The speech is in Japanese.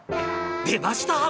出ました！